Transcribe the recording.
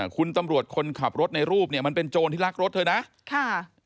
คุณตำรวจคนขับรถในรูปเนี่ยมันเป็นโจรที่รักรถเธอนะค่ะ